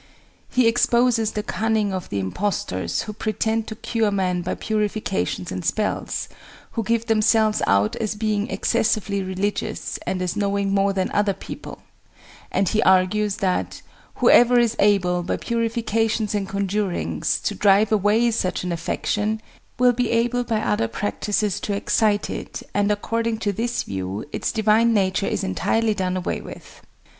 He exposes the cunning of the impostors who pretend to cure men by purifications and spells; "who give themselves out as being excessively religious, and as knowing more than other people;" and he argues that "whoever is able, by purifications and conjurings, to drive away such an affection, will be able, by other practices, to excite it, and, according to this view, its divine nature is entirely done away with."